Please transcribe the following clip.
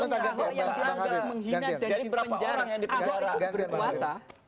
kasus ahok yang dianggap menghina dari penjara